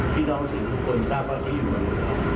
พี่น้องสื่อทุกคนทราบว่าเขาอยู่กันหมด